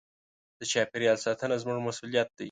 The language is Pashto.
د چاپېریال ساتنه زموږ مسوولیت دی.